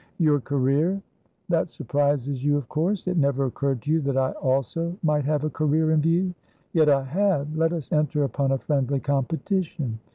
"Your career?" "That surprises you, of course. It never occurred to you that I also might have a career in view. Yet I have. Let us enter upon a friendly competition.